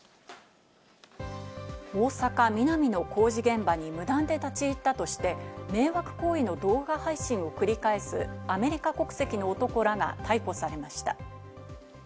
大阪・ミナミの工事現場に無断で立ち入ったとして、迷惑行為の動画配信を繰り返すアメリカ国籍の男らが逮捕されました。